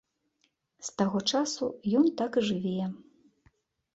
З таго часу ён так і жыве.